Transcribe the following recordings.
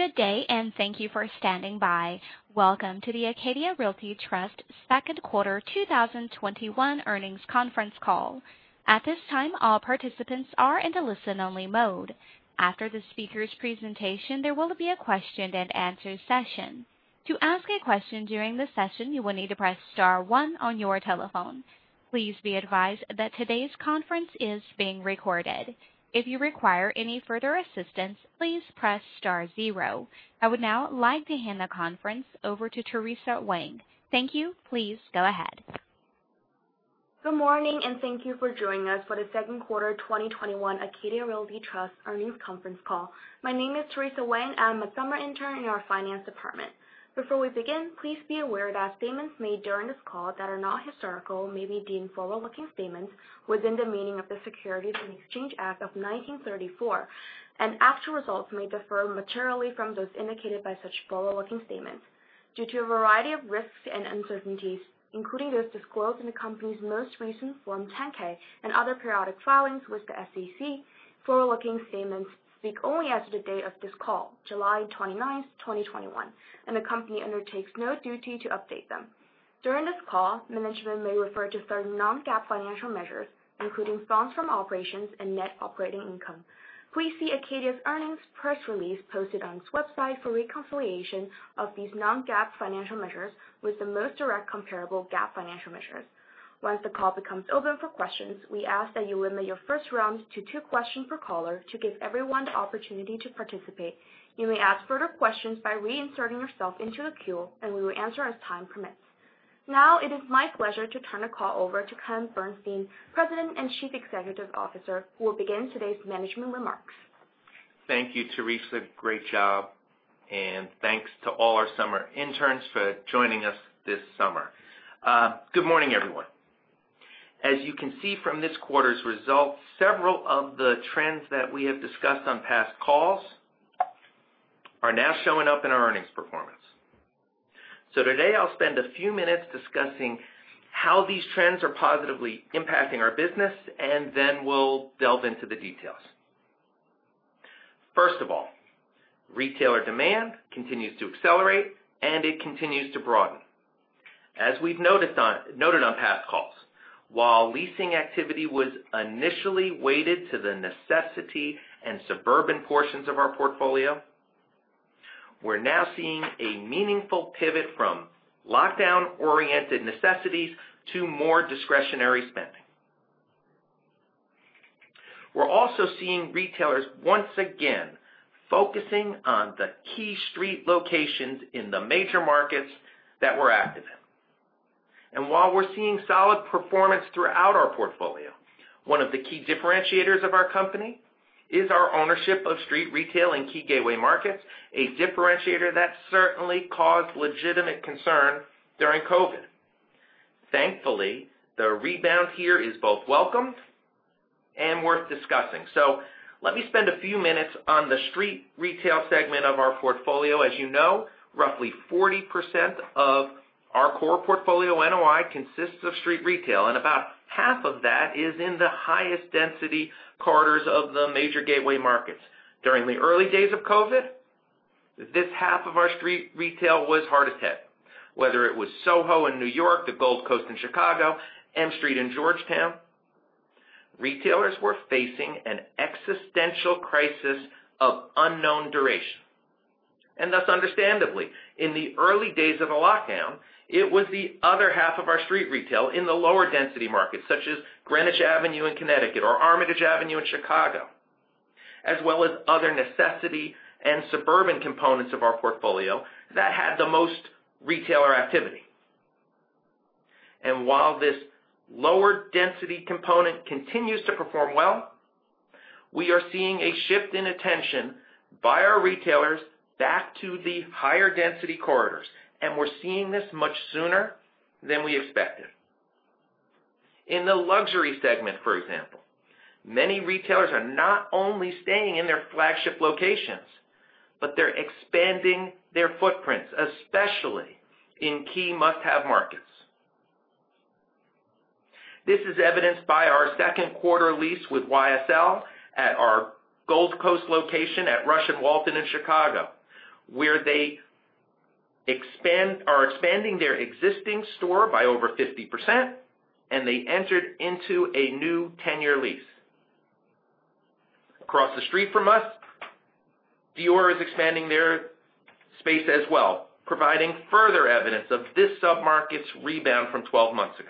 Good day, and thank you for standing by. Welcome to the Acadia Realty Trust Second Quarter 2021 Earnings Conference Call. At this time, all participants are in the listen-only mode. After the speaker's presentation, there will be a question and answer session. To ask a question during the session, you will need to press star one on your telephone. Please be advised that today's conference is being recorded. If you require any further assistance, please press star zero. I would now like to hand the conference over to Theresa Wang. Thank you. Please go ahead. Good morning and thank you for joining us for the second quarter 2021 Acadia Realty Trust earnings conference call. My name is Theresa Wang, and I'm a summer intern in our finance department. Before we begin, please be aware that statements made during this call that are not historical may be deemed forward-looking statements within the meaning of the Securities and Exchange Act of 1934, and actual results may differ materially from those indicated by such forward-looking statements due to a variety of risks and uncertainties, including those disclosed in the company's most recent Form 10-K and other periodic filings with the SEC. Forward-looking statements speak only as of the date of this call, July 29, 2021, and the company undertakes no duty to update them. During this call, management may refer to certain non-GAAP financial measures, including funds from operations and net operating income. Please see Acadia's earnings press release posted on its website for reconciliation of these non-GAAP financial measures with the most direct comparable GAAP financial measures. Once the call becomes open for questions, we ask that you limit your first round to two questions per caller to give everyone the opportunity to participate. You may ask further questions by reinserting yourself into the queue, and we will answer as time permits. Now, it is my pleasure to turn the call over to Ken Bernstein, President and Chief Executive Officer, who will begin today's management remarks. Thank you, Theresa. Great job, and thanks to all our summer interns for joining us this summer. Good morning, everyone. As you can see from this quarter's results, several of the trends that we have discussed on past calls are now showing up in our earnings performance. Today, I'll spend a few minutes discussing how these trends are positively impacting our business, and then we'll delve into the details. First of all, retailer demand continues to accelerate, and it continues to broaden. As we've noted on past calls, while leasing activity was initially weighted to the necessity and suburban portions of our portfolio, we're now seeing a meaningful pivot from lockdown-oriented necessities to more discretionary spending. We're also seeing retailers once again focusing on the key street locations in the major markets that we're active in. While we're seeing solid performance throughout our portfolio, one of the key differentiators of our company is our ownership of street retail in key gateway markets, a differentiator that certainly caused legitimate concern during COVID. Thankfully, the rebound here is both welcomed and worth discussing. Let me spend a few minutes on the street retail segment of our portfolio. As you know, roughly 40% of our core portfolio NOI consists of street retail, and about half of that is in the highest density corridors of the major gateway markets. During the early days of COVID, this half of our street retail was hardest hit. Whether it was SoHo in New York, the Gold Coast in Chicago, M Street in Georgetown, retailers were facing an existential crisis of unknown duration Thus, understandably, in the early days of the lockdown, it was the other half of our street retail in the lower density markets such as Greenwich Avenue in Connecticut or Armitage Avenue in Chicago, as well as other necessity and suburban components of our portfolio that had the most retailer activity. While this lower density component continues to perform well, we are seeing a shift in attention by our retailers back to the higher density corridors, and we're seeing this much sooner than we expected. In the luxury segment, for example, many retailers are not only staying in their flagship locations, but they're expanding their footprints, especially in key must-have markets. This is evidenced by our second quarter lease with YSL at our Gold Coast location at Rush and Walton in Chicago, where they are expanding their existing store by over 50% and they entered into a new 10-year lease. Across the street from us, Dior is expanding their space as well, providing further evidence of this sub-market's rebound from 12 months ago.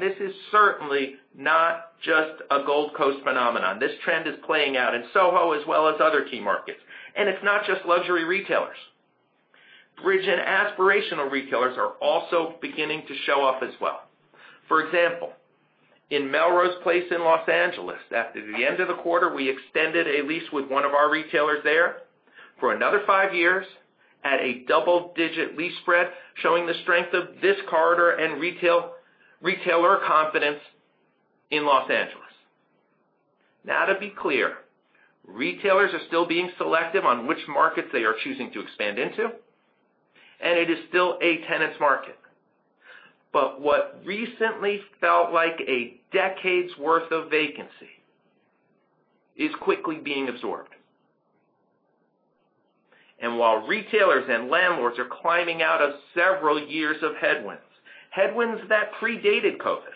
This is certainly not just a Gold Coast phenomenon. This trend is playing out in SoHo as well as other key markets. It's not just luxury retailers. Bridge and aspirational retailers are also beginning to show up as well. For example, in Melrose Place in Los Angeles, after the end of the quarter, we extended a lease with one of our retailers there for another five years at a double-digit lease spread, showing the strength of this corridor and retailer confidence in Los Angeles. To be clear, retailers are still being selective on which markets they are choosing to expand into, and it is still a tenant's market. What recently felt like a decade's worth of vacancy is quickly being absorbed. While retailers and landlords are climbing out of several years of headwinds that predated COVID,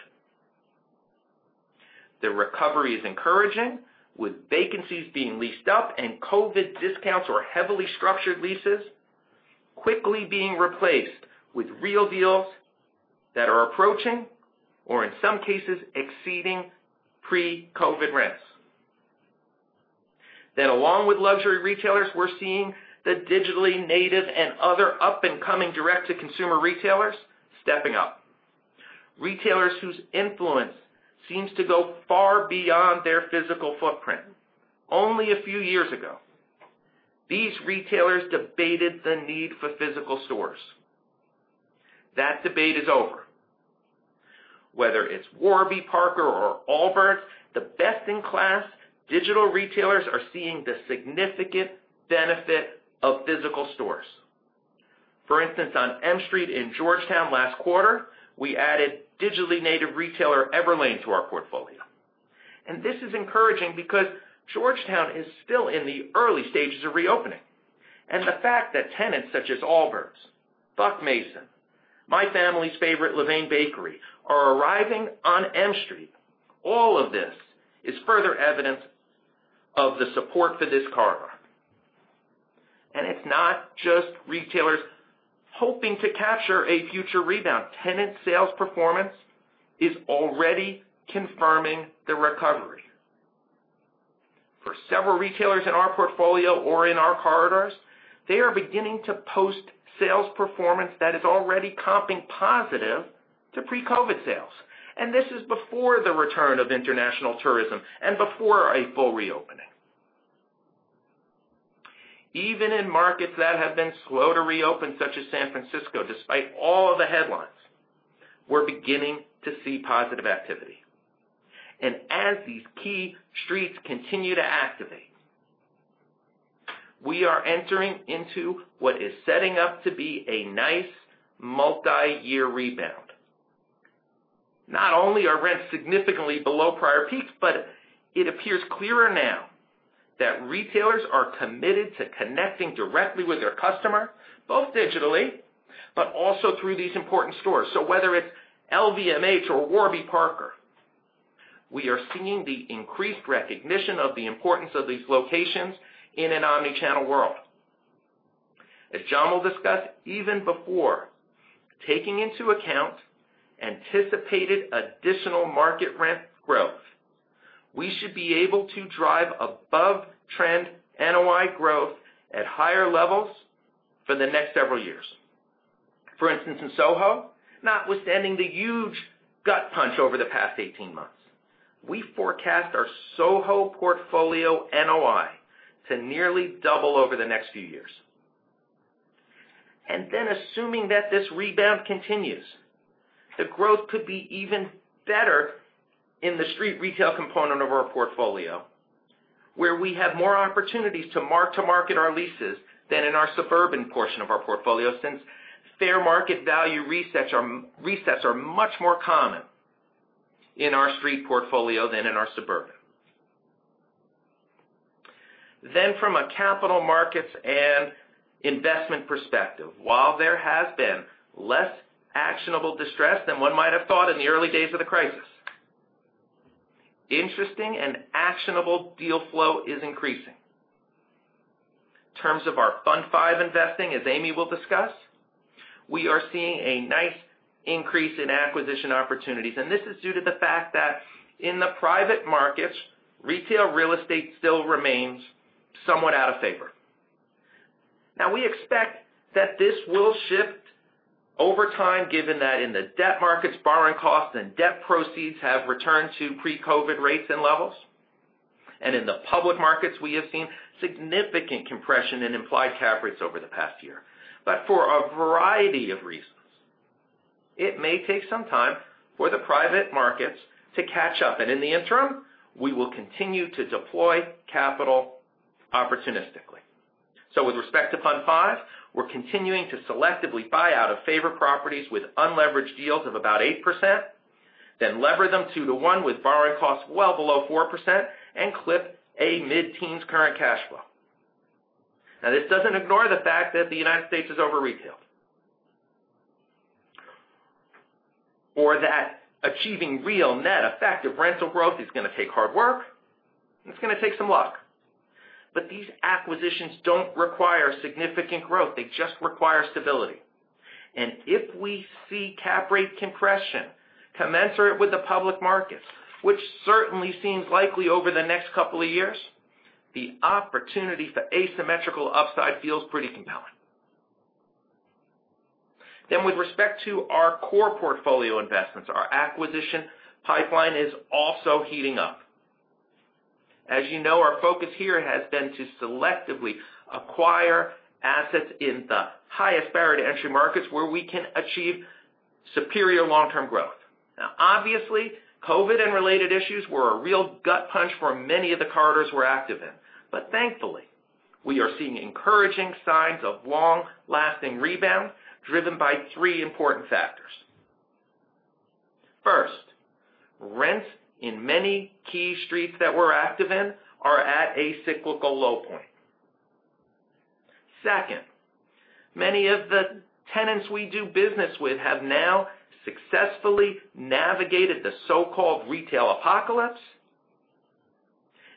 the recovery is encouraging, with vacancies being leased up and COVID discounts or heavily structured leases quickly being replaced with real deals that are approaching, or in some cases exceeding, pre-COVID rents. Along with luxury retailers, we're seeing the digitally native and other up-and-coming direct-to-consumer retailers stepping up. Retailers whose influence seems to go far beyond their physical footprint. Only a few years ago, these retailers debated the need for physical stores. That debate is over. Whether it's Warby Parker or Allbirds, the best-in-class digital retailers are seeing the significant benefit of physical stores. For instance, on M Street in Georgetown last quarter, we added digitally native retailer Everlane to our portfolio. This is encouraging because Georgetown is still in the early stages of reopening. The fact that tenants such as Allbirds, Buck Mason, my family's favorite, Levain Bakery, are arriving on M Street. All of this is further evidence of the support for this corridor. It's not just retailers hoping to capture a future rebound. Tenant sales performance is already confirming the recovery. For several retailers in our portfolio or in our corridors, they are beginning to post sales performance that is already comping positive to pre-COVID sales. This is before the return of international tourism and before a full reopening. Even in markets that have been slow to reopen, such as San Francisco, despite all of the headlines, we're beginning to see positive activity. As these key streets continue to activate, we are entering into what is setting up to be a nice multi-year rebound. Not only are rents significantly below prior peaks, but it appears clearer now that retailers are committed to connecting directly with their customer, both digitally, but also through these important stores. Whether it's LVMH or Warby Parker, we are seeing the increased recognition of the importance of these locations in an omni-channel world. As John will discuss, even before taking into account anticipated additional market rent growth, we should be able to drive above-trend NOI growth at higher levels for the next several years. For instance, in SoHo, notwithstanding the huge gut punch over the past 18 months, we forecast our SoHo portfolio NOI to nearly double over the next few years. Assuming that this rebound continues, the growth could be even better in the street retail component of our portfolio, where we have more opportunities to mark-to-market our leases than in our suburban portion of our portfolio, since fair market value resets are much more common in our street portfolio than in our suburban. From a capital markets and investment perspective, while there has been less actionable distress than one might have thought in the early days of the crisis, interesting and actionable deal flow is increasing. In terms of our Fund V investing, as Amy will discuss, we are seeing a nice increase in acquisition opportunities, and this is due to the fact that in the private markets, retail real estate still remains somewhat out of favor. We expect that this will shift over time, given that in the debt markets, borrowing costs and debt proceeds have returned to pre-COVID rates and levels. In the public markets, we have seen significant compression in implied cap rates over the past year. For a variety of reasons, it may take some time for the private markets to catch up, and in the interim, we will continue to deploy capital opportunistically. With respect to Fund V, we're continuing to selectively buy out of favor properties with unleveraged yields of about 8%, then lever them 2 to 1 with borrowing costs well below 4%, and clip a mid-teens current cash flow. This doesn't ignore the fact that the U.S. is over-retailed. That achieving real net effective rental growth is going to take hard work, and it's going to take some luck. These acquisitions don't require significant growth. They just require stability. If we see cap rate compression commensurate with the public markets, which certainly seems likely over the next couple of years, the opportunity for asymmetrical upside feels pretty compelling. With respect to our core portfolio investments, our acquisition pipeline is also heating up. As you know, our focus here has been to selectively acquire assets in the highest barrier to entry markets where we can achieve superior long-term growth. Obviously, COVID and related issues were a real gut punch for many of the corridors we're active in. Thankfully, we are seeing encouraging signs of long-lasting rebound driven by three important factors. First, rents in many key streets that we're active in are at a cyclical low point. Second, many of the tenants we do business with have now successfully navigated the so-called retail apocalypse,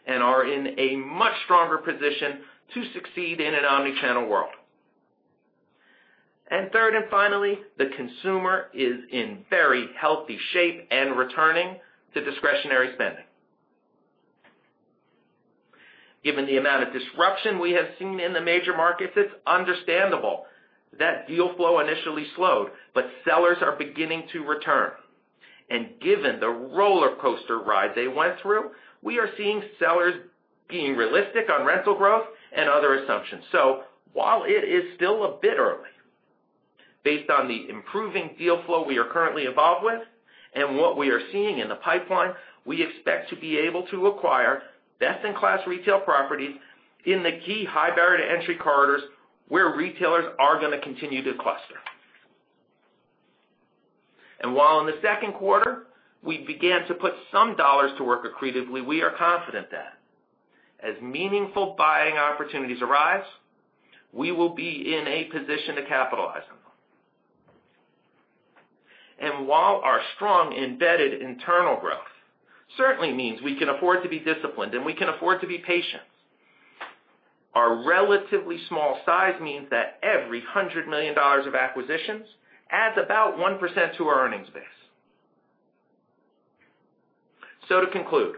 and are in a much stronger position to succeed in an omni-channel world. Third, and finally, the consumer is in very healthy shape and returning to discretionary spending. Given the amount of disruption we have seen in the major markets, it is understandable that deal flow initially slowed. Sellers are beginning to return. Given the rollercoaster ride they went through, we are seeing sellers being realistic on rental growth and other assumptions. While it is still a bit early, based on the improving deal flow we are currently involved with and what we are seeing in the pipeline, we expect to be able to acquire best-in-class retail properties in the key high barrier to entry corridors where retailers are going to continue to cluster. While in the second quarter we began to put some dollars to work accretively, we are confident that as meaningful buying opportunities arise, we will be in a position to capitalize on them. While our strong embedded internal growth certainly means we can afford to be disciplined and we can afford to be patient, our relatively small size means that every $100 million of acquisitions adds about 1% to our earnings base. To conclude,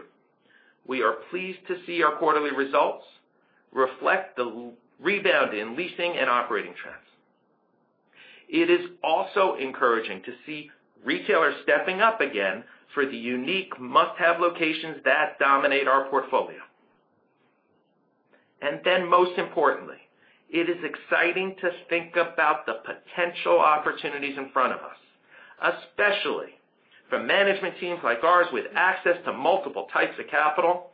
we are pleased to see our quarterly results reflect the rebound in leasing and operating trends. It is also encouraging to see retailers stepping up again for the unique must-have locations that dominate our portfolio. Most importantly, it is exciting to think about the potential opportunities in front of us, especially for management teams like ours with access to multiple types of capital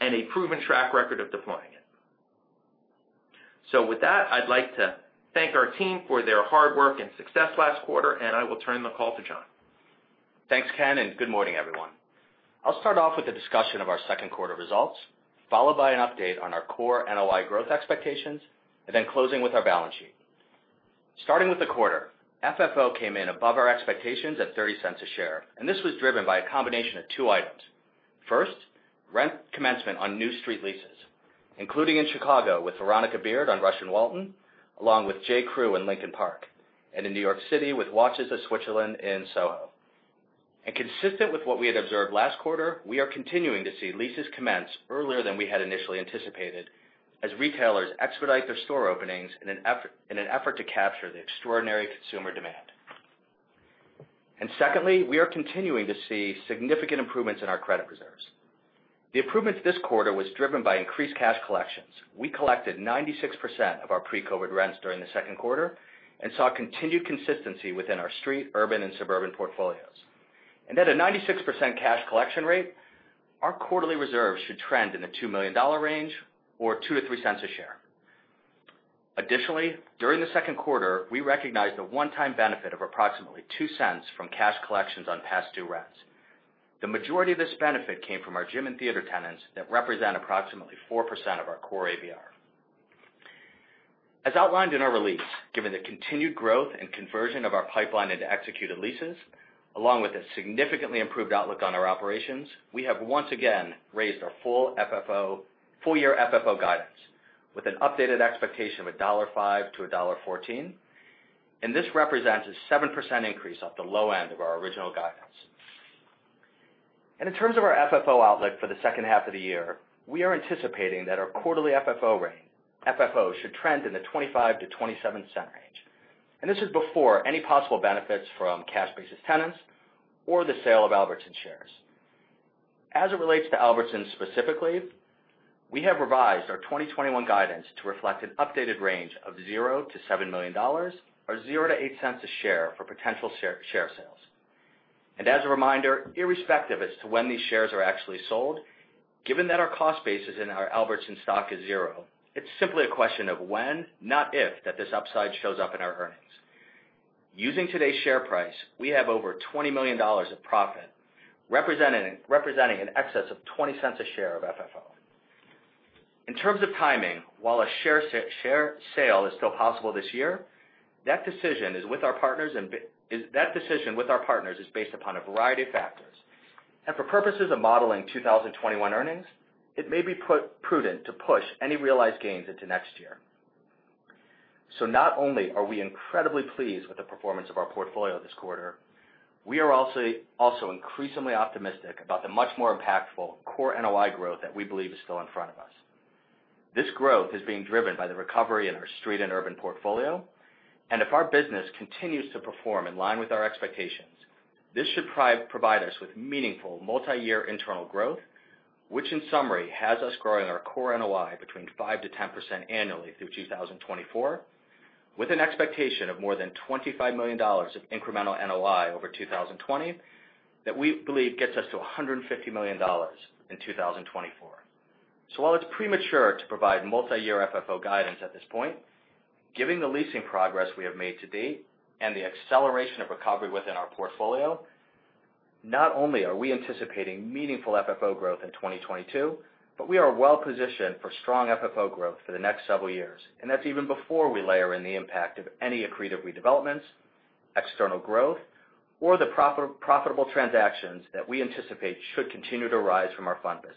and a proven track record of deploying it. With that, I'd like to thank our team for their hard work and success last quarter, and I will turn the call to John. Thanks, Ken. Good morning, everyone. I'll start off with a discussion of our second quarter results, followed by an update on our core NOI growth expectations, closing with our balance sheet. Starting with the quarter, FFO came in above our expectations at $0.30 a share. This was driven by a combination of two items. First, rent commencement on new street leases, including in Chicago with Veronica Beard on Rush and Walton, along with J.Crew in Lincoln Park, and in N.Y.C. with Watches of Switzerland in SoHo. Consistent with what we had observed last quarter, we are continuing to see leases commence earlier than we had initially anticipated as retailers expedite their store openings in an effort to capture the extraordinary consumer demand. Secondly, we are continuing to see significant improvements in our credit reserves. The improvements this quarter was driven by increased cash collections. We collected 96% of our pre-COVID rents during the second quarter and saw continued consistency within our street, urban, and suburban portfolios. At a 96% cash collection rate, our quarterly reserves should trend in the $2 million range or $0.02-$0.03 a share. Additionally, during the second quarter, we recognized a one-time benefit of approximately $0.02 from cash collections on past due rents. The majority of this benefit came from our gym and theater tenants that represent approximately 4% of our core ABR. As outlined in our release, given the continued growth and conversion of our pipeline into executed leases, along with a significantly improved outlook on our operations, we have once again raised our full year FFO guidance with an updated expectation of $1.05-$1.14. This represents a 7% increase off the low end of our original guidance. In terms of our FFO outlook for the second half of the year, we are anticipating that our quarterly FFO should trend in the $0.25-$0.27 range. This is before any possible benefits from cash basis tenants or the sale of Albertsons shares. As it relates to Albertsons specifically, we have revised our 2021 guidance to reflect an updated range of $0-$7 million or $0-$0.08 a share for potential share sales. As a reminder, irrespective as to when these shares are actually sold, given that our cost basis in our Albertsons stock is zero, it's simply a question of when, not if, that this upside shows up in our earnings. Using today's share price, we have over $20 million of profit, representing an excess of $0.20 a share of FFO. In terms of timing, while a share sale is still possible this year, that decision with our partners is based upon a variety of factors. For purposes of modeling 2021 earnings, it may be prudent to push any realized gains into next year. Not only are we incredibly pleased with the performance of our portfolio this quarter, we are also increasingly optimistic about the much more impactful core NOI growth that we believe is still in front of us. This growth is being driven by the recovery in our street and urban portfolio. If our business continues to perform in line with our expectations, this should provide us with meaningful multi-year internal growth, which in summary, has us growing our core NOI between 5%-10% annually through 2024, with an expectation of more than $25 million of incremental NOI over 2020, that we believe gets us to $150 million in 2024. While it's premature to provide multi-year FFO guidance at this point, given the leasing progress we have made to date, and the acceleration of recovery within our portfolio, not only are we anticipating meaningful FFO growth in 2022, but we are well-positioned for strong FFO growth for the next several years. That's even before we layer in the impact of any accretive redevelopments, external growth, or the profitable transactions that we anticipate should continue to rise from our fund business.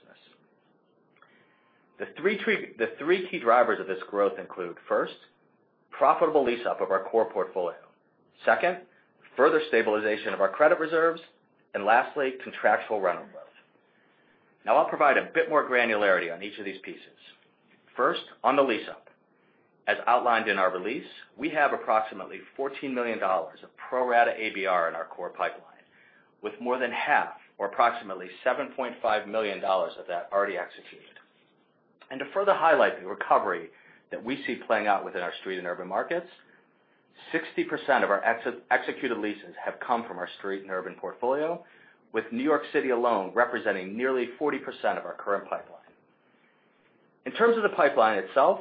The three key drivers of this growth include, first, profitable lease up of our core portfolio, second, further stabilization of our credit reserves, and lastly, contractual rent growth. Now I'll provide a bit more granularity on each of these pieces. First, on the lease up. As outlined in our release, we have approximately $14 million of pro-rata ABR in our core pipeline, with more than half, or approximately $7.5 million of that already executed. To further highlight the recovery that we see playing out within our street and urban markets, 60% of our executed leases have come from our street and urban portfolio, with New York City alone representing nearly 40% of our current pipeline. In terms of the pipeline itself,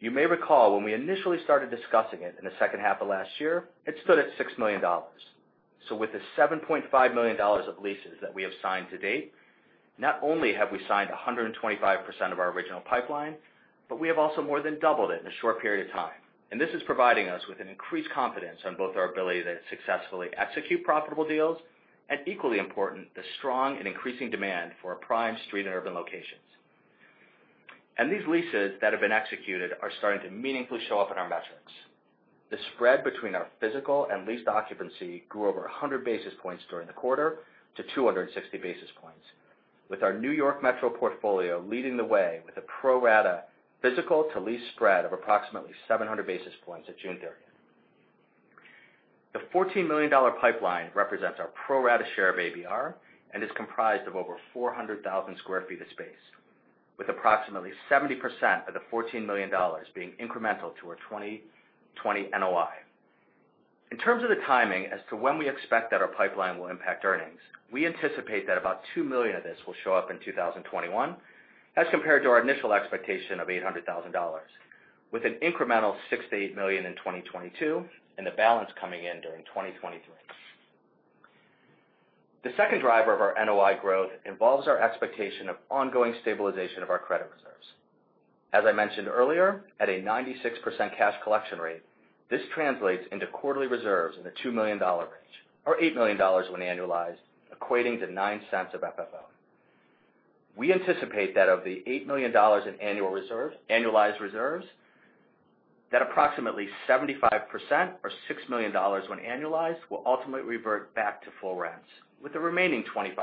you may recall when we initially started discussing it in the second half of last year, it stood at $6 million. With the $7.5 million of leases that we have signed to date, not only have we signed 125% of our original pipeline, but we have also more than doubled it in a short period of time. This is providing us with an increased confidence on both our ability to successfully execute profitable deals, and equally important, the strong and increasing demand for our prime street and urban locations. These leases that have been executed are starting to meaningfully show up in our metrics. The spread between our physical and leased occupancy grew over 100 basis points during the quarter to 260 basis points, with our New York Metro portfolio leading the way with a pro-rata physical to lease spread of approximately 700 basis points at June 30th. The $14 million pipeline represents our pro-rata share of ABR and is comprised of over 400,000 square feet of space, with approximately 70% of the $14 million being incremental to our 2020 NOI. In terms of the timing as to when we expect that our pipeline will impact earnings, we anticipate that about $2 million of this will show up in 2021, as compared to our initial expectation of $800,000, with an incremental $6 million-$8 million in 2022, and the balance coming in during 2023. The second driver of our NOI growth involves our expectation of ongoing stabilization of our credit reserves. As I mentioned earlier, at a 96% cash collection rate, this translates into quarterly reserves in the $2 million range or $8 million when annualized, equating to $0.09 of FFO. We anticipate that of the $8 million in annualized reserves, that approximately 75% or $6 million when annualized, will ultimately revert back to full rents, with the remaining 25%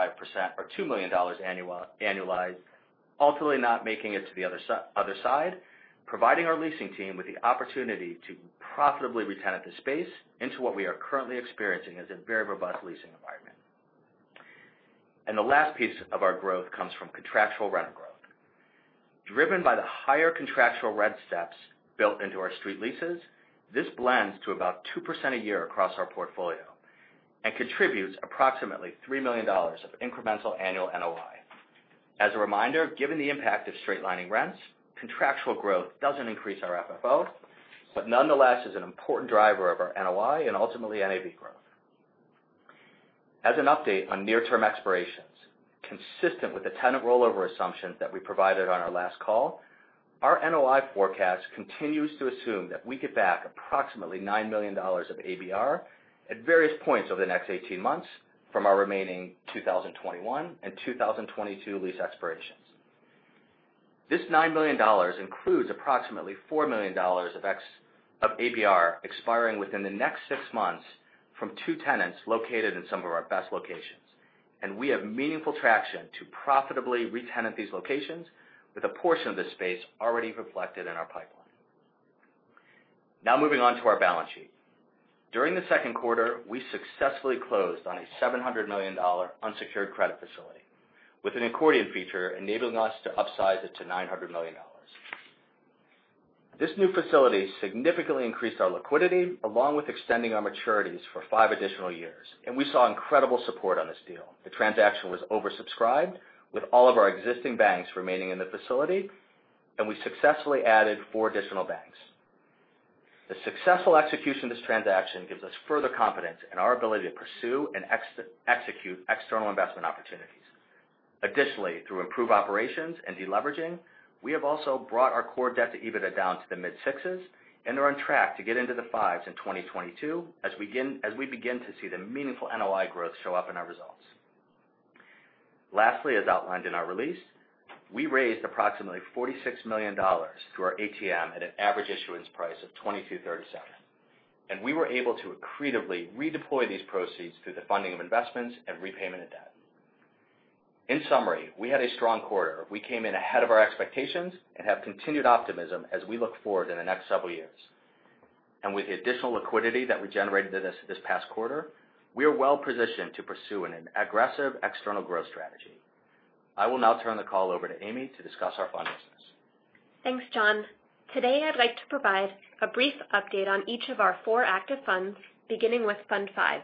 or $2 million annualized, ultimately not making it to the other side, providing our leasing team with the opportunity to profitably retenant the space into what we are currently experiencing as a very robust leasing environment. The last piece of our growth comes from contractual rent growth. Driven by the higher contractual rent steps built into our street leases, this blends to about 2% a year across our portfolio and contributes approximately $3 million of incremental annual NOI. As a reminder, given the impact of straight lining rents, contractual growth doesn't increase our FFO, but nonetheless is an important driver of our NOI and ultimately NAV growth. As an update on near-term expirations, consistent with the tenant rollover assumptions that we provided on our last call, our NOI forecast continues to assume that we get back approximately $9 million of ABR at various points over the next 18 months from our remaining 2021 and 2022 lease expirations. This $9 million includes approximately $4 million of ABR expiring within the next six months from two tenants located in some of our best locations, and we have meaningful traction to profitably retenant these locations with a portion of the space already reflected in our pipeline. Now moving on to our balance sheet. During the second quarter, we successfully closed on a $700 million unsecured credit facility with an accordion feature enabling us to upsize it to $900 million. This new facility significantly increased our liquidity along with extending our maturities for five additional years. We saw incredible support on this deal. The transaction was oversubscribed, with all of our existing banks remaining in the facility, and we successfully added four additional banks. The successful execution of this transaction gives us further confidence in our ability to pursue and execute external investment opportunities. Additionally, through improved operations and deleveraging, we have also brought our core debt to EBITDA down to the mid-6s and are on track to get into the 5s in 2022 as we begin to see the meaningful NOI growth show up in our results. As outlined in our release, we raised approximately $46 million through our ATM at an average issuance price of $22.37. We were able to accretively redeploy these proceeds through the funding of investments and repayment of debt. In summary, we had a strong quarter. We came in ahead of our expectations and have continued optimism as we look forward in the next several years. With the additional liquidity that we generated this past quarter, we are well-positioned to pursue an aggressive external growth strategy. I will now turn the call over to Amy to discuss our fund business. Thanks, John. Today, I'd like to provide a brief update on each of our four active funds, beginning with Fund V.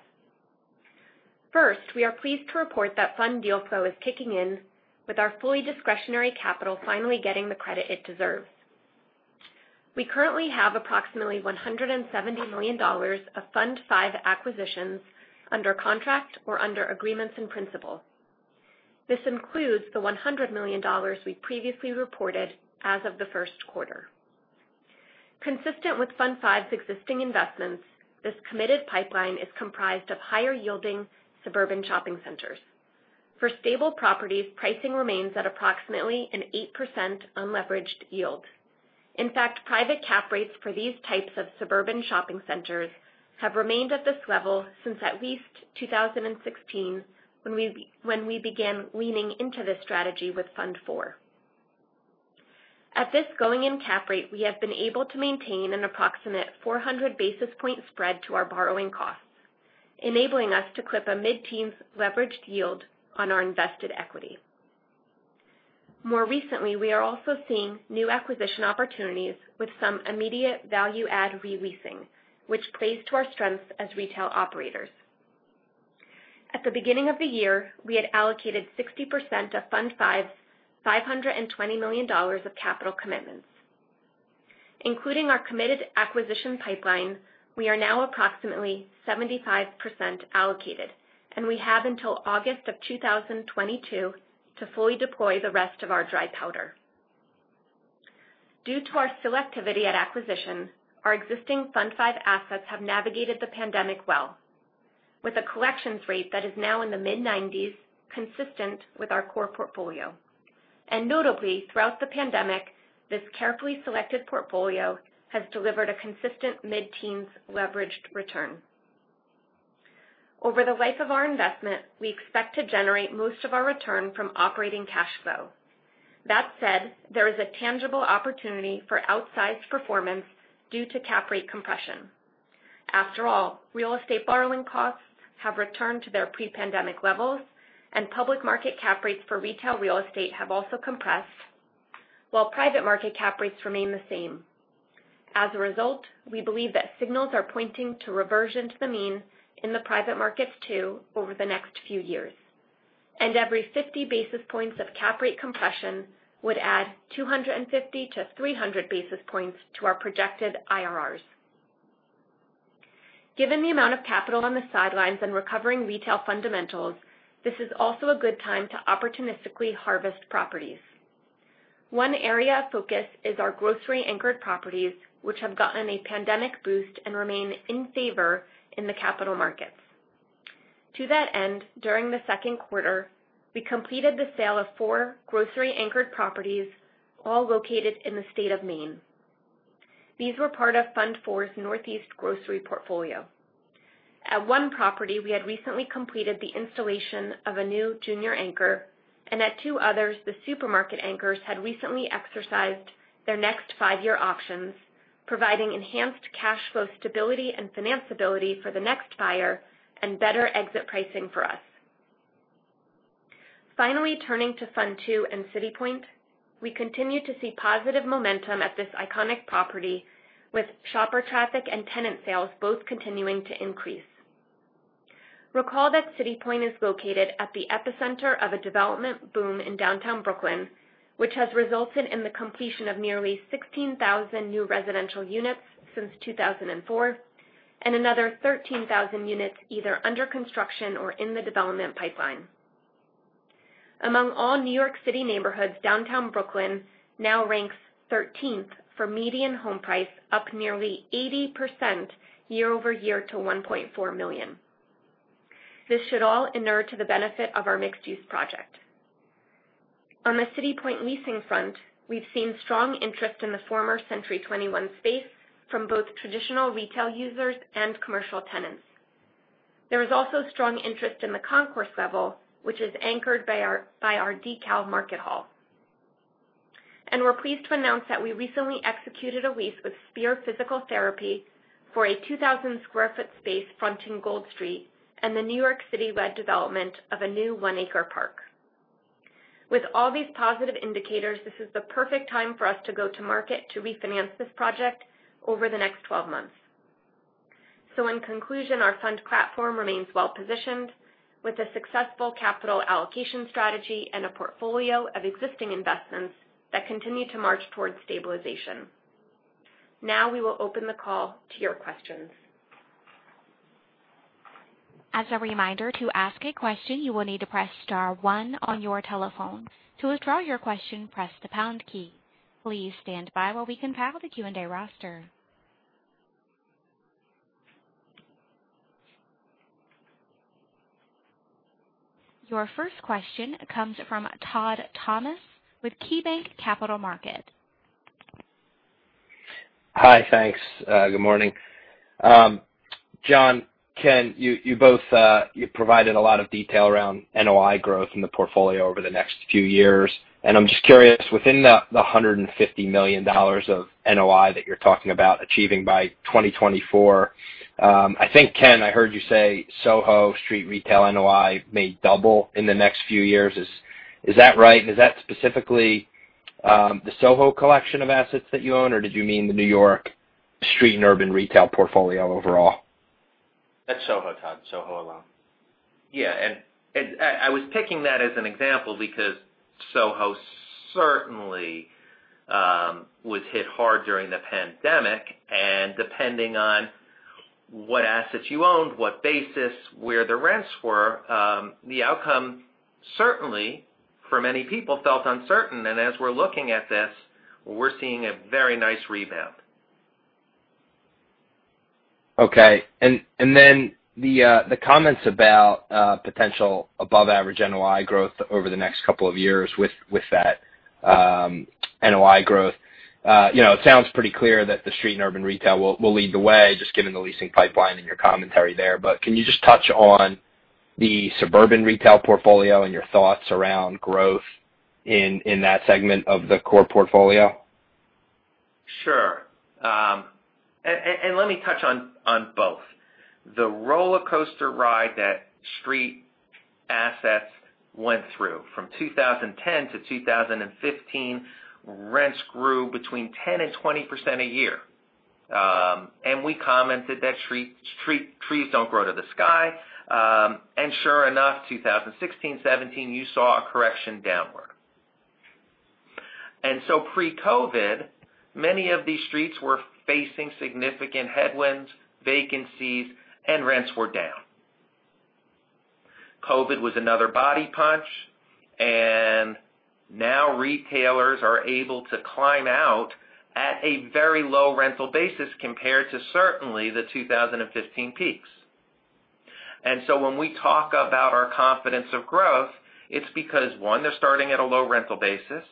First, we are pleased to report that Fund deal flow is kicking in with our fully discretionary capital finally getting the credit it deserves. We currently have approximately $170 million of Fund V acquisitions under contract or under agreements in principle. This includes the $100 million we previously reported as of the first quarter. Consistent with Fund V's existing investments, this committed pipeline is comprised of higher-yielding suburban shopping centers. For stable properties, pricing remains at approximately an 8% unleveraged yield. In fact, private cap rates for these types of suburban shopping centers have remained at this level since at least 2016, when we began leaning into this strategy with Fund IV. At this going-in cap rate, we have been able to maintain an approximate 400 basis point spread to our borrowing costs, enabling us to clip a mid-teens leveraged yield on our invested equity. More recently, we are also seeing new acquisition opportunities with some immediate value-add re-leasing, which plays to our strengths as retail operators. At the beginning of the year, we had allocated 60% of Fund V's $520 million of capital commitments. Including our committed acquisition pipeline, we are now approximately 75% allocated, and we have until August of 2022 to fully deploy the rest of our dry powder. Due to our selectivity at acquisition, our existing Fund V assets have navigated the pandemic well, with a collections rate that is now in the mid-90s, consistent with our core portfolio. Notably, throughout the pandemic, this carefully selected portfolio has delivered a consistent mid-teens leveraged return. Over the life of our investment, we expect to generate most of our return from operating cash flow. That said, there is a tangible opportunity for outsized performance due to cap rate compression. After all, real estate borrowing costs have returned to their pre-pandemic levels, and public market cap rates for retail real estate have also compressed, while private market cap rates remain the same. As a result, we believe that signals are pointing to reversion to the mean in the private markets too over the next few years. Every 50 basis points of cap rate compression would add 250-300 basis points to our projected IRRs. Given the amount of capital on the sidelines and recovering retail fundamentals, this is also a good time to opportunistically harvest properties. One area of focus is our grocery-anchored properties, which have gotten a pandemic boost and remain in favor in the capital markets. To that end, during the second quarter, we completed the sale of four grocery-anchored properties, all located in the state of Maine. These were part of Fund IV's Northeast grocery portfolio. At one property, we had recently completed the installation of a new junior anchor, and at two others, the supermarket anchors had recently exercised their next five-year options, providing enhanced cash flow stability and financability for the next buyer and better exit pricing for us. Finally, turning to Fund II and City Point, we continue to see positive momentum at this iconic property with shopper traffic and tenant sales both continuing to increase. Recall that City Point is located at the epicenter of a development boom in downtown Brooklyn, which has resulted in the completion of nearly 16,000 new residential units since 2004 and another 13,000 units either under construction or in the development pipeline. Among all New York City neighborhoods, downtown Brooklyn now ranks 13th for median home price, up nearly 80% year-over-year to $1.4 million. This should all inure to the benefit of our mixed-use project. On the City Point leasing front, we've seen strong interest in the former Century 21 space from both traditional retail users and commercial tenants. There is also strong interest in the concourse level, which is anchored by our DeKalb Market Hall. We're pleased to announce that we recently executed a lease with Spear Physical Therapy for a 2,000 sq ft space fronting Gold Street and the New York City led development of a new one-acre park. With all these positive indicators, this is the perfect time for us to go to market to refinance this project over the next 12 months. In conclusion, our fund platform remains well-positioned with a successful capital allocation strategy and a portfolio of existing investments that continue to march towards stabilization. Now, we will open the call to your questions. As a reminder, to ask a question, you will need to press star one on your telephone. To withdraw your question, press the pound key. Please stand by while we compile the Q&A roster. Your first question comes from Todd Thomas with KeyBanc Capital Markets. Hi. Thanks. Good morning. John, Ken, you both provided a lot of detail around NOI growth in the portfolio over the next few years, and I'm just curious, within the $150 million of NOI that you're talking about achieving by 2024, I think, Ken, I heard you say SoHo Street Retail NOI may double in the next few years. Is that right? Is that specifically the SoHo collection of assets that you own, or did you mean the New York Street and Urban Retail portfolio overall? That's SoHo, Todd. SoHo alone. Yeah. I was picking that as an example because SoHo certainly was hit hard during the pandemic, and depending on what assets you owned, what basis, where the rents were, the outcome certainly for many people felt uncertain. As we're looking at this, we're seeing a very nice rebound. Okay. The comments about potential above-average NOI growth over the next couple of years. It sounds pretty clear that the street and urban retail will lead the way, just given the leasing pipeline and your commentary there. Can you just touch on the suburban retail portfolio and your thoughts around growth in that segment of the core portfolio? Sure. Let me touch on both. The rollercoaster ride that street assets went through from 2010-2015, rents grew between 10% and 20% a year. We commented that trees don't grow to the sky. Sure enough, 2016, 2017, you saw a correction downward. Pre-COVID, many of these streets were facing significant headwinds, vacancies, and rents were down. COVID was another body punch, and now retailers are able to climb out at a very low rental basis compared to certainly the 2015 peaks. When we talk about our confidence of growth, it's because, one, they're starting at a low rental basis,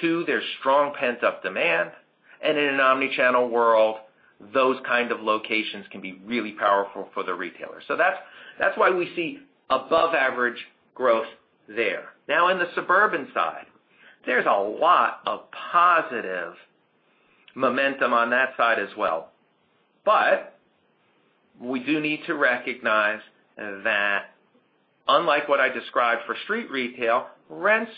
two, there's strong pent-up demand, and in an omnichannel world, those kind of locations can be really powerful for the retailer. That's why we see above-average growth there. In the suburban side, there's a lot of positive momentum on that side as well. We do need to recognize that unlike what I described for street retail, rents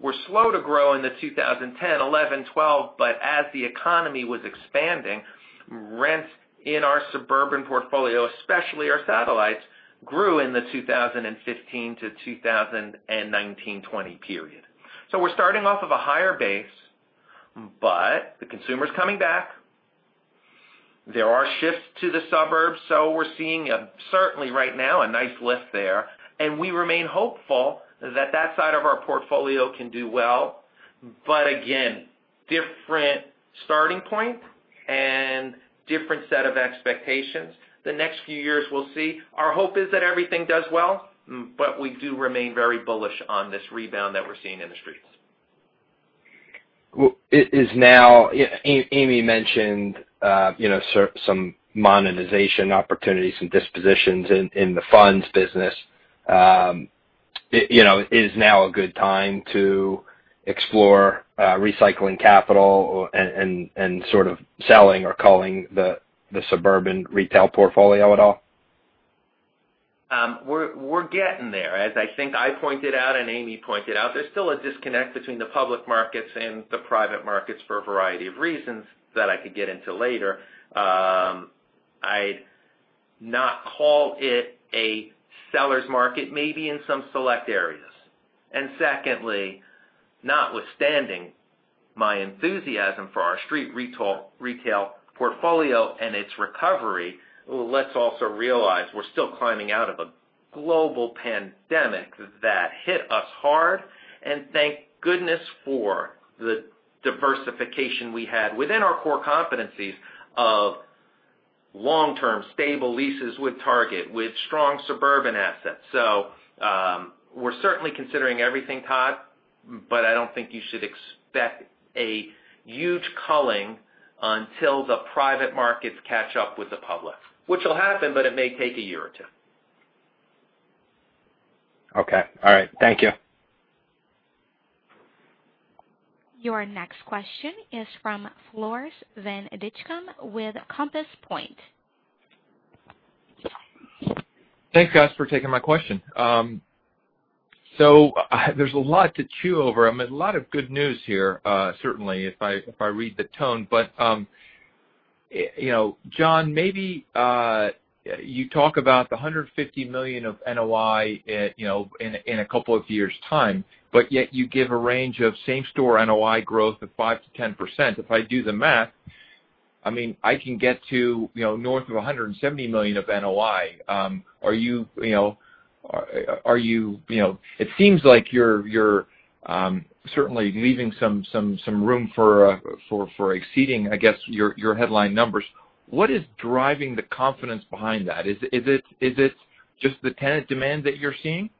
were slow to grow in the 2010, 2011, 2012, but as the economy was expanding, rents in our suburban portfolio, especially our satellites, grew in the 2015-2019/2020 period. We're starting off of a higher base, but the consumer's coming back. There are shifts to the suburbs, so we're seeing certainly right now a nice lift there, and we remain hopeful that that side of our portfolio can do well, but again, different starting point and different set of expectations. The next few years we'll see. Our hope is that everything does well, but we do remain very bullish on this rebound that we're seeing in the streets. Well, Amy mentioned some monetization opportunities and dispositions in the funds business. Is now a good time to explore recycling capital and sort of selling or culling the suburban retail portfolio at all? We're getting there. As I think I pointed out and Amy pointed out, there's still a disconnect between the public markets and the private markets for a variety of reasons that I could get into later. I'd not call it a seller's market, maybe in some select areas. Secondly, notwithstanding my enthusiasm for our street retail portfolio and its recovery, let's also realize we're still climbing out of a global pandemic that hit us hard, and thank goodness for the diversification we had within our core competencies of long-term stable leases with Target, with strong suburban assets. We're certainly considering everything, Todd, but I don't think you should expect a huge culling until the private markets catch up with the public, which will happen, but it may take a year or two. Okay. All right. Thank you. Your next question is from Floris van Dijkum with Compass Point. Thanks, guys, for taking my question. There's a lot to chew over. I mean, a lot of good news here, certainly, if I read the tone. John, maybe you talk about the $150 million of NOI in a couple of years' time, but yet you give a range of same-store NOI growth of 5%-10%. If I do the math, I mean, I can get to north of $170 million of NOI. It seems like you're certainly leaving some room for exceeding, I guess, your headline numbers. What is driving the confidence behind that? Is it just the tenant demand that you're seeing?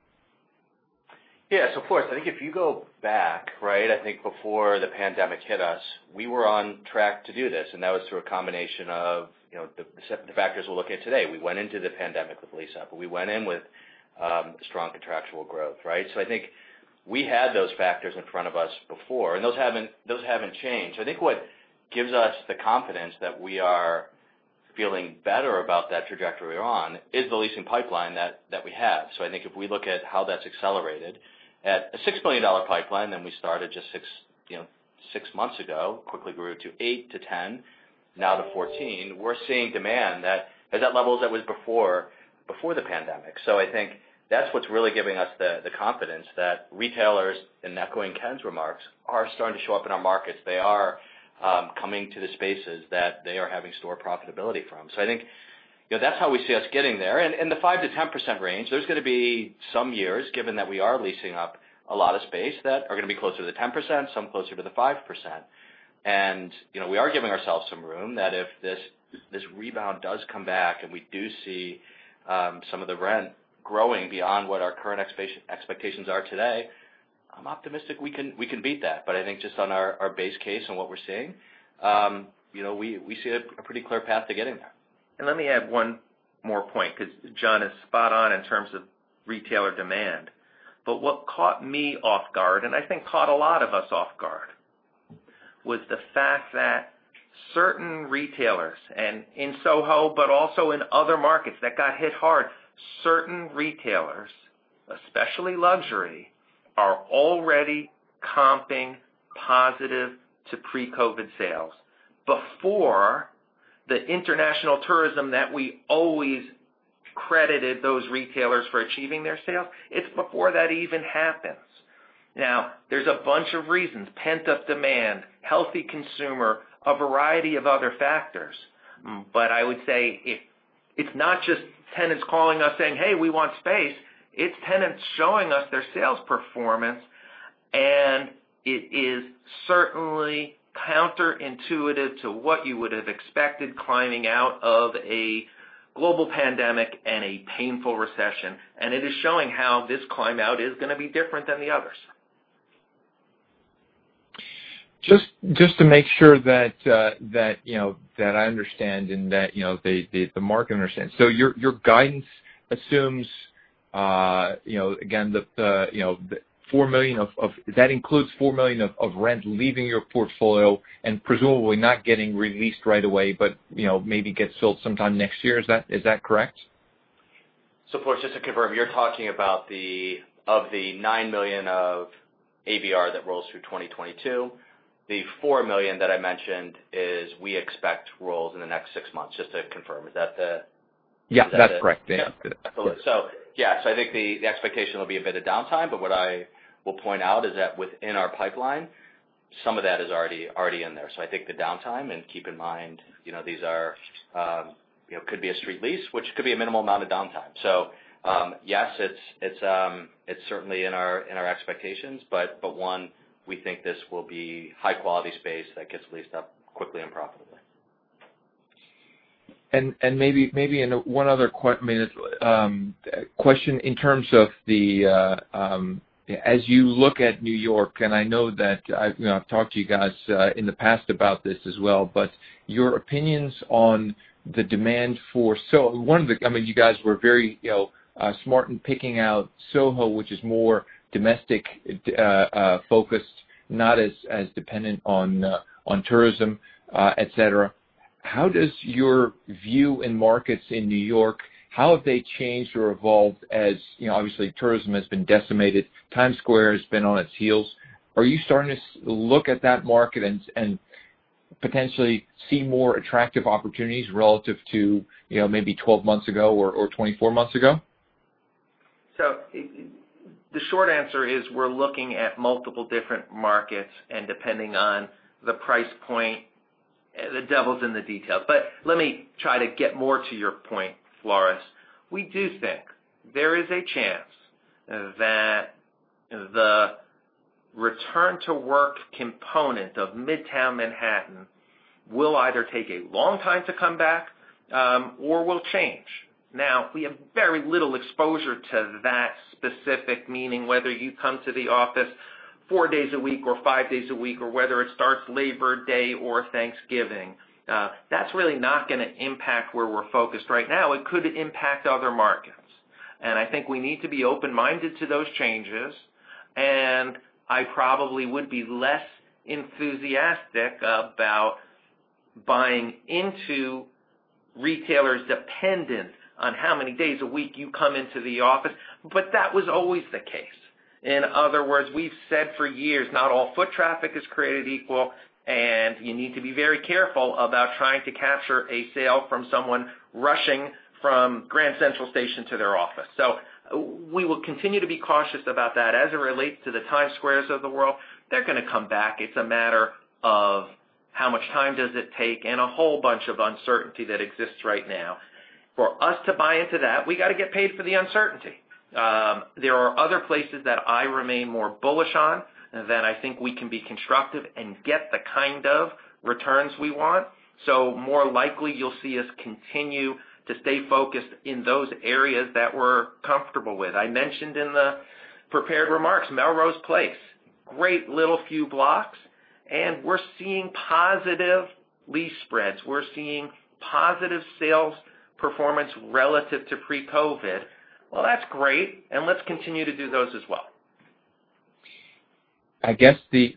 Yes, of course. I think if you go back, right, I think before the pandemic hit us, we were on track to do this, and that was through a combination of the factors we're looking at today. We went into the pandemic with lease-up. We went in with strong contractual growth, right? I think we had those factors in front of us before, and those haven't changed. I think what gives us the confidence that we are feeling better about that trajectory we're on is the leasing pipeline that we have. I think if we look at how that's accelerated, at a $6 billion pipeline, then we started just six months ago, quickly grew to 8-10, now to 14. We're seeing demand that is at levels that was before the pandemic. I think that's what's really giving us the confidence that retailers, and echoing Ken's remarks, are starting to show up in our markets. They are coming to the spaces that they are having store profitability from. I think that's how we see us getting there. The 5%-10% range, there's going to be some years, given that we are leasing up a lot of space, that are going to be closer to the 10%, some closer to the 5%. We are giving ourselves some room that if this rebound does come back and we do see some of the rent growing beyond what our current expectations are today, I'm optimistic we can beat that. I think just on our base case and what we're seeing, we see a pretty clear path to getting there. Let me add one more point, because John is spot on in terms of retailer demand. What caught me off guard, and I think caught a lot of us off guard, was the fact that certain retailers, and in SoHo, but also in other markets that got hit hard, certain retailers, especially luxury, are already comping positive to pre-COVID sales before the international tourism that we always credited those retailers for achieving their sales. It's before that even happens. There's a bunch of reasons, pent-up demand, healthy consumer, a variety of other factors. I would say it's not just tenants calling us saying, "Hey, we want space." It's tenants showing us their sales performance, and it is certainly counterintuitive to what you would have expected climbing out of a global pandemic and a painful recession. It is showing how this climb out is going to be different than the others. Just to make sure that I understand and that the market understands. Your guidance assumes, again, that includes $4 million of rent leaving your portfolio and presumably not getting re-leased right away, but maybe gets filled sometime next year. Is that correct? Floris, just to confirm, you're talking about of the $9 million of ABR that rolls through 2022, the $4 million that I mentioned is we expect rolls in the next six months. Just to confirm, is that the? Yeah, that's correct. Yeah. Yeah. I think the expectation will be a bit of downtime, but what I will point out is that within our pipeline, some of that is already in there. I think the downtime, and keep in mind these could be a street lease, which could be a minimal amount of downtime. Yes, it's certainly in our expectations, but one, we think this will be high-quality space that gets leased up quickly and profitably. Maybe one other question. In terms of as you look at New York, and I know that I've talked to you guys in the past about this as well, but your opinions on the demand for I mean, you guys were very smart in picking out SoHo, which is more domestic focused, not as dependent on tourism, et cetera. How does your view in markets in New York, how have they changed or evolved as obviously tourism has been decimated, Times Square has been on its heels. Are you starting to look at that market and potentially see more attractive opportunities relative to maybe 12 months ago or 24 months ago? The short answer is we're looking at multiple different markets, and depending on the price point, the devil's in the details. Let me try to get more to your point, Floris. We do think there is a chance that the return to work component of Midtown Manhattan will either take a long time to come back or will change. We have very little exposure to that specific meaning, whether you come to the office four days a week or five days a week, or whether it starts Labor Day or Thanksgiving. That's really not going to impact where we're focused right now. It could impact other markets. I think we need to be open-minded to those changes. I probably would be less enthusiastic about buying into retailers dependent on how many days a week you come into the office. That was always the case. In other words, we've said for years, not all foot traffic is created equal, and you need to be very careful about trying to capture a sale from someone rushing from Grand Central Station to their office. We will continue to be cautious about that. As it relates to the Times Squares of the world, they're going to come back. It's a matter of how much time does it take and a whole bunch of uncertainty that exists right now. For us to buy into that, we got to get paid for the uncertainty. There are other places that I remain more bullish on that I think we can be constructive and get the kind of returns we want. More likely you'll see us continue to stay focused in those areas that we're comfortable with. I mentioned in the prepared remarks, Melrose Place. Great little few blocks, and we're seeing positive lease spreads. We're seeing positive sales performance relative to pre-COVID. Well, that's great, and let's continue to do those as well. I guess the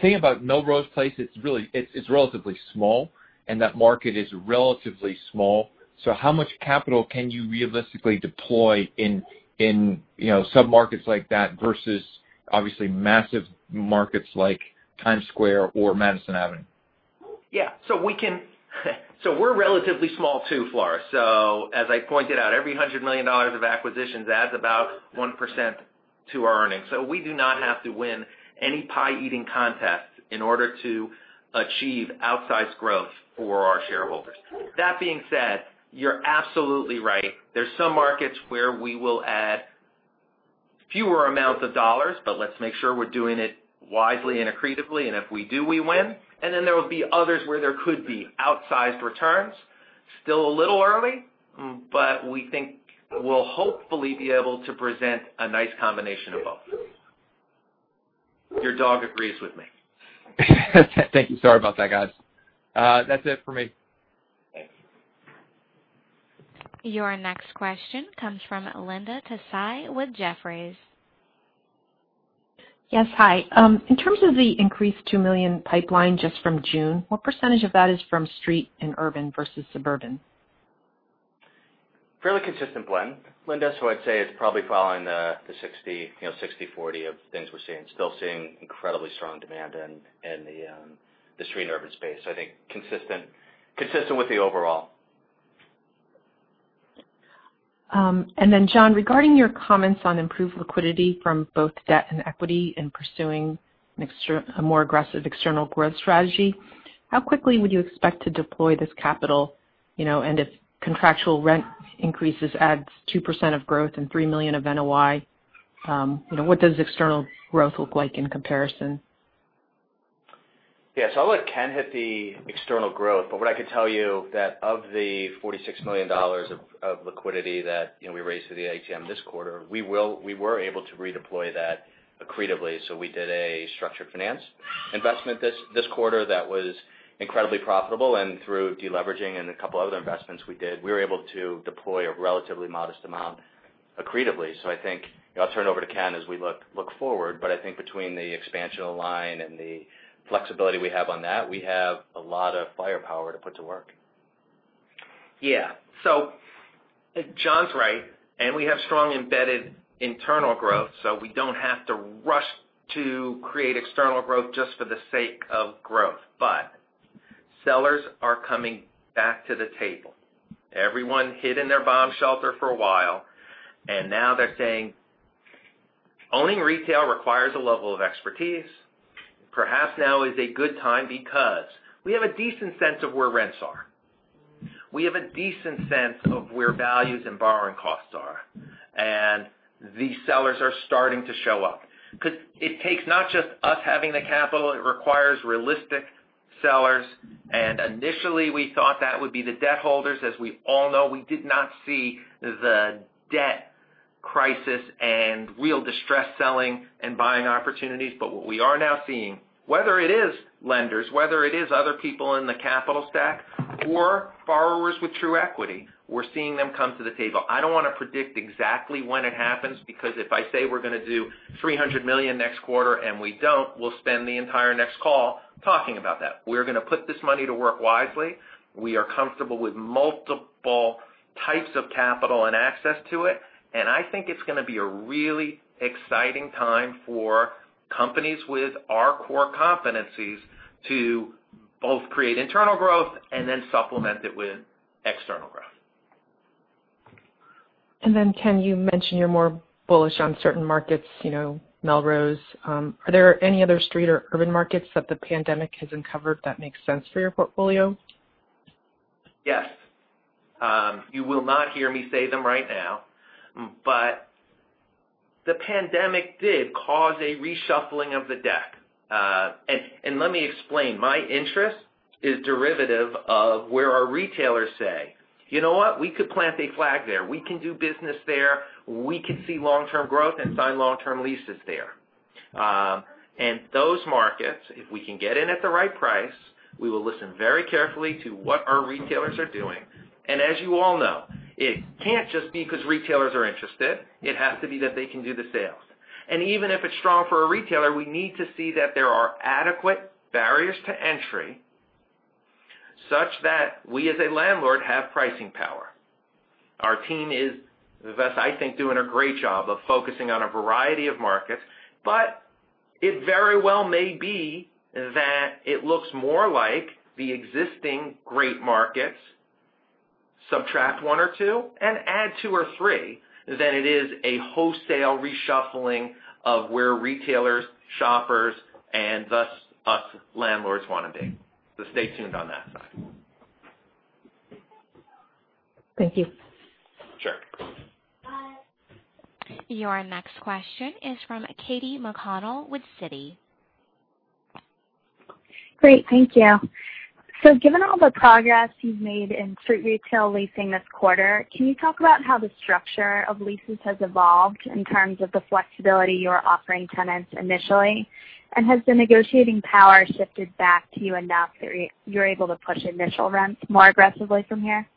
thing about Melrose Place, it's relatively small, and that market is relatively small. How much capital can you realistically deploy in submarkets like that versus obviously massive markets like Times Square or Madison Avenue? Yeah. We're relatively small too, Floris. As I pointed out, every $100 million of acquisitions adds about 1% to our earnings. We do not have to win any pie eating contests in order to achieve outsized growth for our shareholders. That being said, you're absolutely right. There's some markets where we will add fewer amounts of dollars, but let's make sure we're doing it wisely and accretively, and if we do, we win. There will be others where there could be outsized returns. Still a little early, but we think we'll hopefully be able to present a nice combination of both. Your dog agrees with me. Thank you. Sorry about that, guys. That's it for me. Thanks. Your next question comes from Linda Tsai with Jefferies. Yes. Hi. In terms of the increased $2 million pipeline just from June, what percentage of that is from street and urban versus suburban? Fairly consistent blend, Linda. I'd say it's probably following the 60/40 of things we're seeing. Still seeing incredibly strong demand in the street and urban space. I think consistent with the overall. John, regarding your comments on improved liquidity from both debt and equity in pursuing a more aggressive external growth strategy, how quickly would you expect to deploy this capital? If contractual rent increases adds 2% of growth and $3 million of NOI, what does external growth look like in comparison? Yeah. I'll let Ken hit the external growth. What I could tell you that of the $46 million of liquidity that we raised through the ATM this quarter, we were able to redeploy that accretively. We did a structured finance investment this quarter that was incredibly profitable. Through de-leveraging and a couple other investments we did, we were able to deploy a relatively modest amount accretively. I'll turn it over to Ken as we look forward, but I think between the expansion of line and the flexibility we have on that, we have a lot of firepower to put to work. Yeah. John's right. We have strong embedded internal growth. We don't have to rush to create external growth just for the sake of growth. Sellers are coming back to the table. Everyone hid in their bomb shelter for a while. Now they're saying owning retail requires a level of expertise. Perhaps now is a good time because we have a decent sense of where rents are. We have a decent sense of where values and borrowing costs are. The sellers are starting to show up. It takes not just us having the capital. It requires realistic sellers. Initially we thought that would be the debt holders. As we all know, we did not see the debt crisis and real distressed selling and buying opportunities. What we are now seeing, whether it is lenders, whether it is other people in the capital stack or borrowers with true equity, we're seeing them come to the table. I don't want to predict exactly when it happens because if I say we're going to do $300 million next quarter and we don't, we'll spend the entire next call talking about that. We're going to put this money to work wisely. We are comfortable with multiple types of capital and access to it. I think it's going to be a really exciting time for companies with our core competencies to both create internal growth and then supplement it with external growth. Ken, you mentioned you're more bullish on certain markets, Melrose. Are there any other street or urban markets that the pandemic has uncovered that makes sense for your portfolio? Yes. You will not hear me say them right now, but the pandemic did cause a reshuffling of the deck. Let me explain. My interest is derivative of where our retailers say, "You know what? We could plant a flag there. We can do business there. We could see long-term growth and sign long-term leases there." Those markets, if we can get in at the right price, we will listen very carefully to what our retailers are doing. As you all know, it can't just be because retailers are interested. It has to be that they can do the sales. Even if it's strong for a retailer, we need to see that there are adequate barriers to entry such that we, as a landlord, have pricing power. Our team is, thus I think, doing a great job of focusing on a variety of markets. It very well may be that it looks more like the existing great markets, subtract one or two and add two or three, than it is a wholesale reshuffling of where retailers, shoppers, and thus us landlords want to be. Stay tuned on that side. Thank you. Sure. Your next question is from Katy McConnell with Citi. Great. Thank you. Given all the progress you've made in street retail leasing this quarter, can you talk about how the structure of leases has evolved in terms of the flexibility you're offering tenants initially? Has the negotiating power shifted back to you enough that you're able to push initial rents more aggressively from here?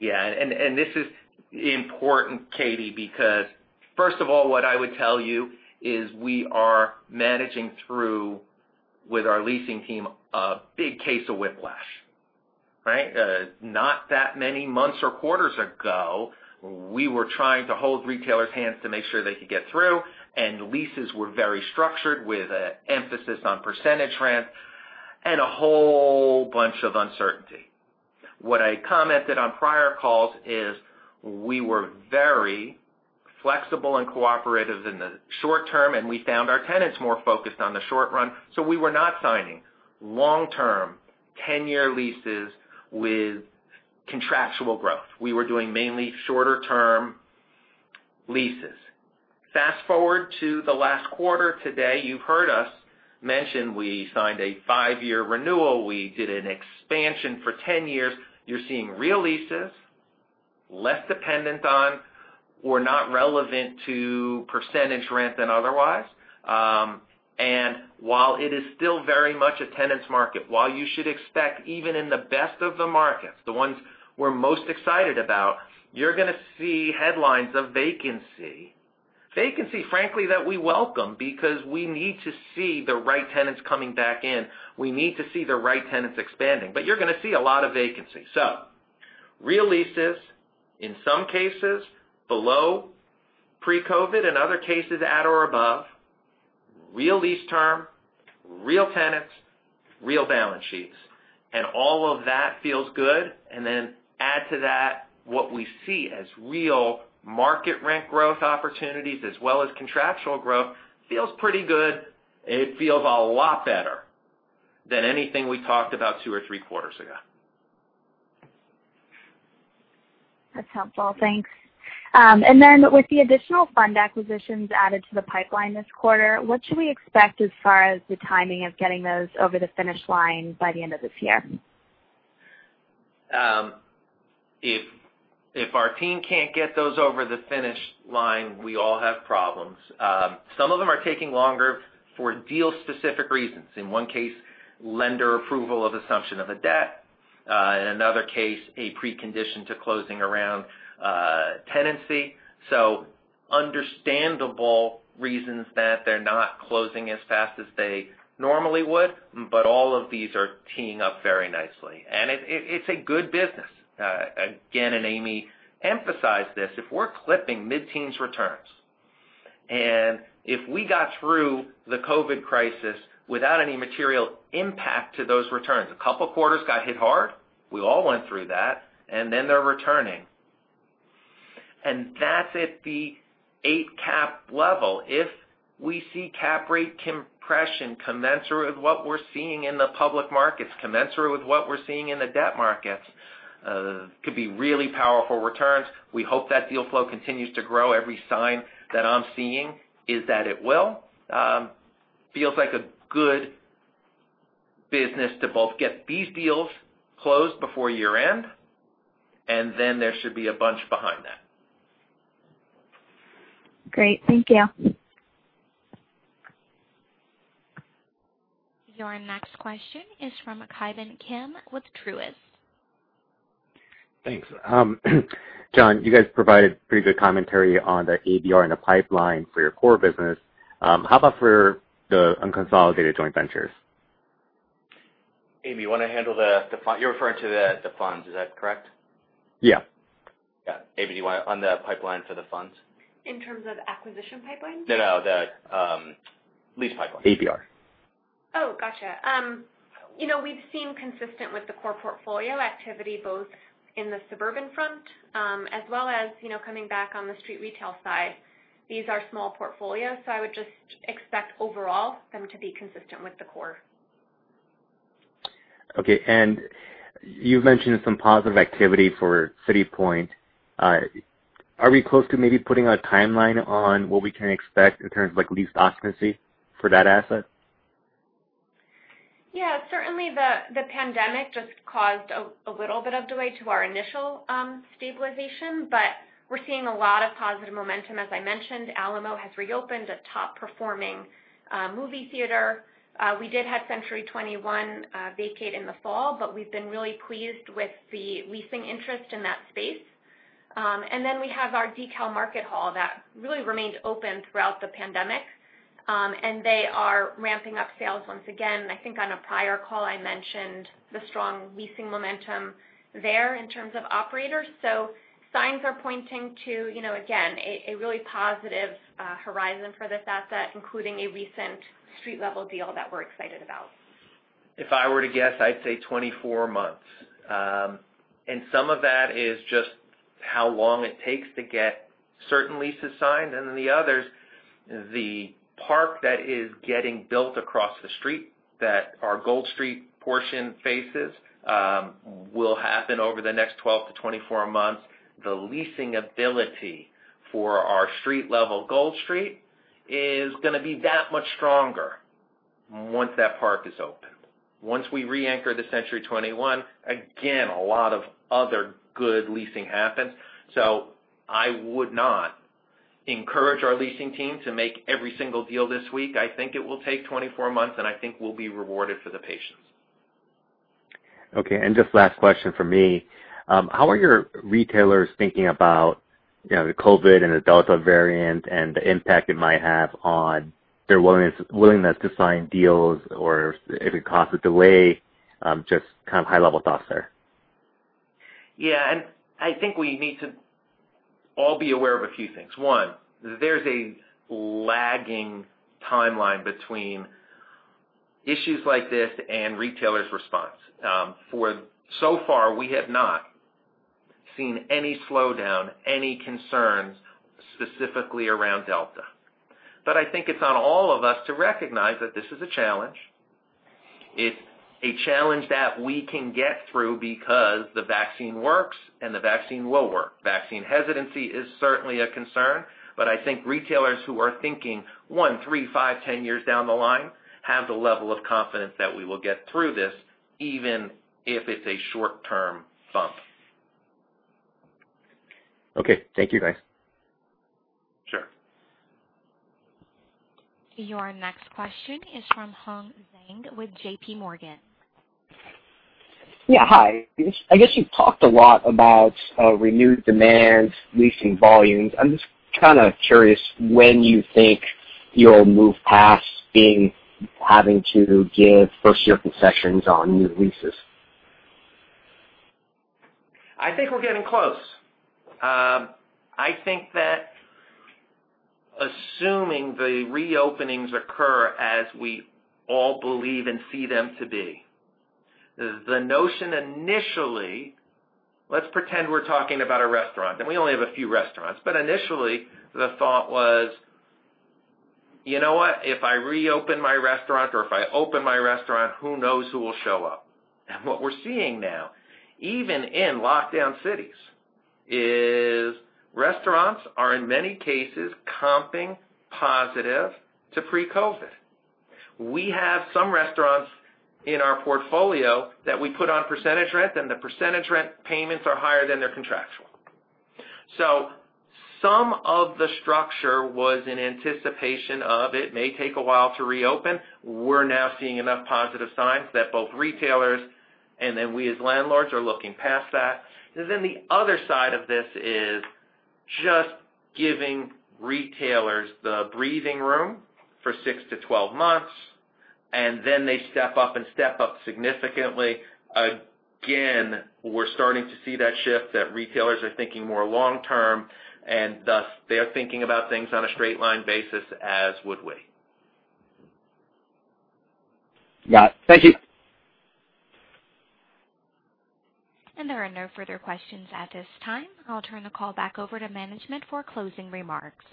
Yeah. This is important, Katy, because first of all, what I would tell you is we are managing through, with our leasing team, a big case of whiplash, right? Not that many months or quarters ago, we were trying to hold retailers' hands to make sure they could get through, and leases were very structured with an emphasis on percentage rent and a whole bunch of uncertainty. What I commented on prior calls is we were very flexible and cooperative in the short term, and we found our tenants more focused on the short run, so we were not signing long-term, 10-year leases with contractual growth. We were doing mainly shorter-term leases. Fast-forward to the last quarter today, you've heard us mention we signed a five-year renewal. We did an expansion for 10 years. You're seeing real leases less dependent on or not relevant to percentage rent than otherwise. While it is still very much a tenant's market, while you should expect, even in the best of the markets, the ones we're most excited about, you're going to see headlines of vacancy. Vacancy, frankly, that we welcome because we need to see the right tenants coming back in. We need to see the right tenants expanding. You're going to see a lot of vacancy. Real leases, in some cases below pre-COVID, in other cases at or above, real lease term, real tenants, real balance sheets. All of that feels good. Then add to that what we see as real market rent growth opportunities as well as contractual growth feels pretty good. It feels a lot better than anything we talked about two or three quarters ago. That's helpful. Thanks. With the additional fund acquisitions added to the pipeline this quarter, what should we expect as far as the timing of getting those over the finish line by the end of this year? If our team can't get those over the finish line, we all have problems. Some of them are taking longer for deal-specific reasons. In one case, lender approval of assumption of a debt. In another case, a precondition to closing around tenancy. Understandable reasons that they're not closing as fast as they normally would, but all of these are teeing up very nicely. It's a good business. Again, and Amy emphasized this, if we're clipping mid-teens returns, and if we got through the COVID crisis without any material impact to those returns, a couple quarters got hit hard, we all went through that, and then they're returning. That's at the 8 cap level. If we see cap rate compression commensurate with what we're seeing in the public markets, commensurate with what we're seeing in the debt markets, could be really powerful returns. We hope that deal flow continues to grow. Every sign that I'm seeing is that it will. Feels like a good business to both get these deals closed before year-end, and then there should be a bunch behind that. Great. Thank you. Your next question is from Ki Bin Kim with Truist. Thanks. John, you guys provided pretty good commentary on the ABR and the pipeline for your core business. How about for the unconsolidated joint ventures? Amy, you're referring to the funds, is that correct? Yeah. Yeah. Amy, do you want On the pipeline for the funds. In terms of acquisition pipeline? No, no, the lease pipeline. ADR. Oh, got you. We've seen consistent with the core portfolio activity, both in the suburban front, as well as coming back on the street retail side. These are small portfolios. I would just expect overall them to be consistent with the core. Okay. You've mentioned some positive activity for City Point. Are we close to maybe putting a timeline on what we can expect in terms of lease occupancy for that asset? Yeah. Certainly, the pandemic just caused a little bit of delay to our initial stabilization, but we're seeing a lot of positive momentum. As I mentioned, Alamo has reopened a top-performing movie theater. We did have Century 21 vacate in the fall, but we've been really pleased with the leasing interest in that space. We have our DeKalb Market Hall that really remained open throughout the pandemic, and they are ramping up sales once again. I think on a prior call I mentioned the strong leasing momentum there in terms of operators. Signs are pointing to, again, a really positive horizon for this asset, including a recent street-level deal that we're excited about. If I were to guess, I'd say 24 months. Some of that is just how long it takes to get certain leases signed. The others, the park that is getting built across the street that our Gold Street portion faces will happen over the next 12 months-24 months. The leasing ability for our street-level Gold Street is going to be that much stronger once that park is open. Once we re-anchor the Century 21, again, a lot of other good leasing happens. I would not encourage our leasing team to make every single deal this week. I think it will take 24 months, and I think we'll be rewarded for the patience. Okay, just last question from me. How are your retailers thinking about the COVID and the Delta variant and the impact it might have on their willingness to sign deals, or if it causes delay? Just kind of high-level thoughts there. Yeah. I think we need to all be aware of a few things. One, there's a lagging timeline between issues like this and retailers' response. So far, we have not seen any slowdown, any concerns specifically around Delta. I think it's on all of us to recognize that this is a challenge. It's a challenge that we can get through because the vaccine works and the vaccine will work. Vaccine hesitancy is certainly a concern, but I think retailers who are thinking one, three, five, 10 years down the line have the level of confidence that we will get through this, even if it's a short-term bump. Okay. Thank you, guys. Sure. Your next question is from Hong Zheng with JPMorgan. Yeah. Hi. I guess you've talked a lot about renewed demand, leasing volumes. I'm just kind of curious when you think you'll move past having to give first-year concessions on new leases. I think we're getting close. I think that assuming the reopenings occur as we all believe and see them to be, the notion initially, let's pretend we're talking about a restaurant, and we only have a few restaurants, but initially, the thought was, "You know what? If I reopen my restaurant or if I open my restaurant, who knows who will show up?" What we're seeing now, even in lockdown cities, is restaurants are, in many cases, comping positive to pre-COVID. We have some restaurants in our portfolio that we put on percentage rent, and the percentage rent payments are higher than their contractual. Some of the structure was in anticipation of it may take a while to reopen. We're now seeing enough positive signs that both retailers and then we as landlords are looking past that. The other side of this is just giving retailers the breathing room for 6-12 months, and then they step up and step up significantly. Again, we're starting to see that shift, that retailers are thinking more long term, and thus they are thinking about things on a straight-line basis, as would we. Got it. Thank you. There are no further questions at this time. I'll turn the call back over to management for closing remarks.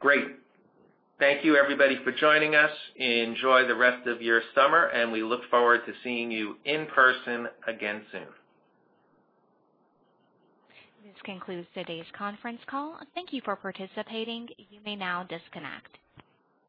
Great. Thank you everybody for joining us. Enjoy the rest of your summer. We look forward to seeing you in person again soon. This concludes today's conference call. Thank you for participating. You may now disconnect.